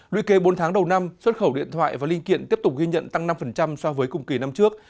luyện kế bốn tháng đầu năm xuất khẩu điện thoại và linh kiện tiếp tục ghi nhận tăng năm so với cùng kỳ năm trước